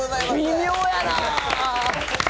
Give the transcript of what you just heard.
微妙やな。